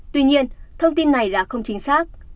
tuy nhiên thông tin này là không chính xác